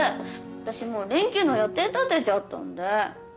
私もう連休の予定立てちゃったんで。